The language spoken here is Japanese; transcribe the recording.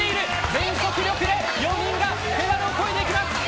全速力で４人がこいでいきます。